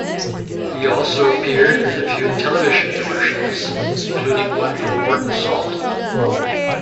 He also appeared in a few television commercials, including one for Morton Salt.